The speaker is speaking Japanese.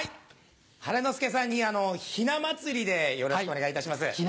晴の輔さんに「ひな祭り」でよろしくお願いいたします。